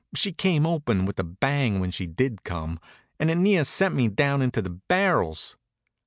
She came open with a bang when she did come, and it near sent me down into the barrels.